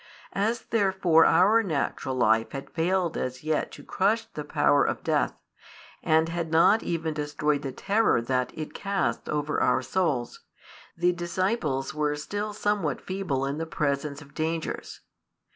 As therefore our natural life had failed as yet to crush the power of death, and had not even destroyed the terror that it casts over our souls, the disciples were still somewhat feeble in the presence of dangers.